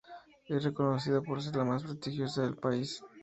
Es reconocida por ser la más prestigiosa del país.